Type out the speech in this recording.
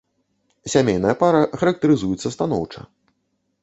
Сямейная пара характарызуецца станоўча.